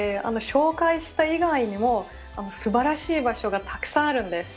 紹介した以外にも、すばらしい場所がたくさんあるんです。